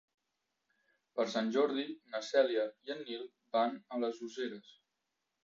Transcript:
Per Sant Jordi na Cèlia i en Nil van a les Useres.